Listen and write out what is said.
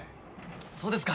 そうですか？